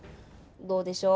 どうでしょう？